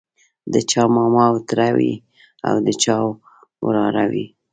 د چا ماما او تره وي او د چا وراره وي.